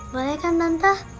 boleh kan tante